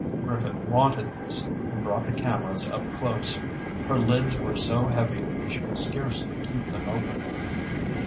Griffith wanted this, and brought the cameras up close. Her lids were so heavy she could scarcely keep them open.